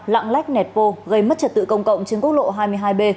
lặng lách nẹt vô gây mất trật tự công cộng trên quốc lộ hai mươi hai b